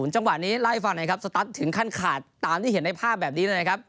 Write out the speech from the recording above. จังหวะนี้เล่าให้ฟังหน่อยครับสตั๊ดถึงขั้นขาดตามที่เห็นในภาพแบบนี้เลยนะครับ